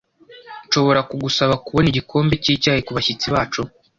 Nshobora kugusaba kubona igikombe cyicyayi kubashyitsi bacu?